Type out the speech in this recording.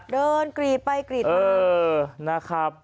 เดินกรีดไปกรีดมา